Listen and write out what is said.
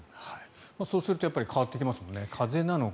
そうすると変わってきますよね。